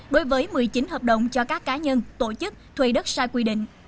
đối với một mươi chín hợp đồng cho các cá nhân tổ chức thuê đất sai quy định